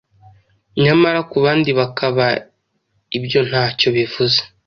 nyamara ku bandi bakaba ibyo ntacyo bivuze